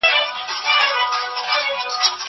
زه به سبا ږغ اورم وم!